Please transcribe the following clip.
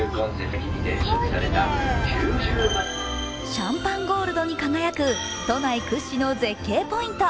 シャンパンゴールドに輝く都内屈指の絶景ポイント。